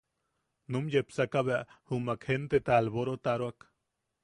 Num yepsaka bea jumak jenteta alborotaroak.